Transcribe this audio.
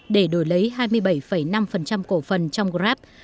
để đổi lấy hai mươi bảy năm cổ phần trong grab